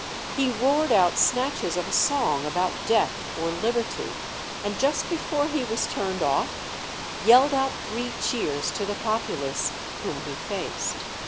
He roared out snatches of a song about Death or Liberty, and just before he was turned off, yelled out three cheers to the populace whom he faced.